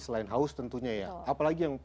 selain haus tentunya ya apalagi yang